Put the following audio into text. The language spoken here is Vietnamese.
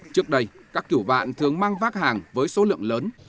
trước đây các kiểu bạn thường mang vác hàng với số lượng lớn